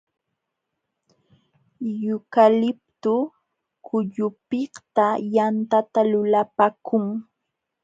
Yukaliptu kullupiqta yantata lulapaakun.